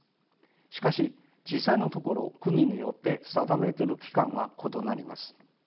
しかし実際のところ国によって定めている期間は異なります。